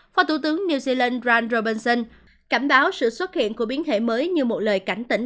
phó tủ tướng new zealand ron robinson cảnh báo sự xuất hiện của biến thể mới như một lời cảnh tỉnh